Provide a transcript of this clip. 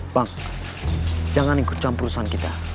bang jangan ikut campur urusan kita